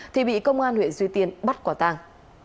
thì bị công an huyện duy tiên bắt quả tàng